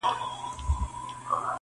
هم د پېغلوټو هم جینکیو -